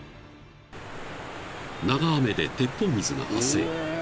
［長雨で鉄砲水が発生］